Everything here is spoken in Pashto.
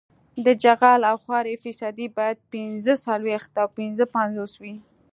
د جغل او خاورې فیصدي باید پینځه څلویښت او پنځه پنځوس وي